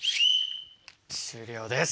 終了です。